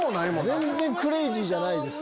全然クレイジーじゃないです。